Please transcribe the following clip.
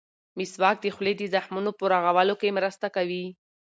مسواک د خولې د زخمونو په رغولو کې مرسته کوي.